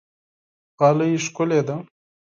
غالۍ ښکلې ده.